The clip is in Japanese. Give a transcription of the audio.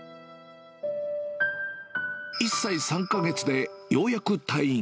１歳３か月でようやく退院。